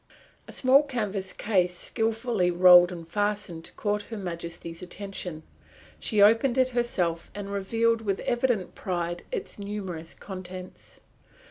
A small canvas case, skilfully rolled and fastened, caught Her Majesty's attention. She opened it herself and revealed with evident pride its numerous contents.